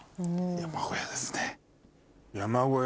山小屋ですね。